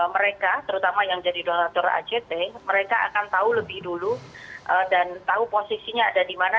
mereka terutama yang jadi donator act mereka akan tahu lebih dulu dan tahu posisinya ada di mana